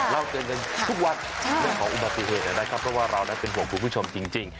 เราเจอกันทุกวันใช่ของอุบัติเวทย์นั้นได้ครับเพราะว่าเราเนี้ยเป็นห่วงคุณผู้ชมจริงจริง